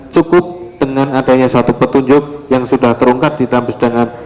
cukup dengan adanya satu petunjuk yang sudah terungkap di dalam persidangan